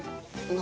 何？